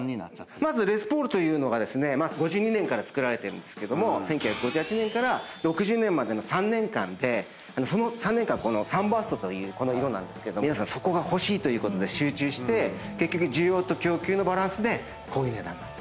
まずレスポールというのが５２年から作られているんですが１９５８年から６０年までの３年間でその３年間このサンバーストというこの色なんですけど皆さん欲しいということで集中して結局需要と供給のバランスでこういう値段に。